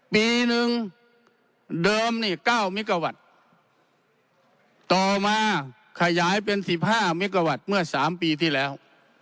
ปีหนึ่งเดิมนี่เก้ามิกวัตต์ต่อมาขยายเป็นสิบห้ามิกวัตต์เมื่อสามปีที่แล้ว